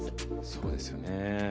そうですね。